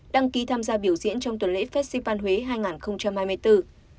đăng ký tham gia biểu diễn trong tuần lễ festival huế hai nghìn hai mươi bốn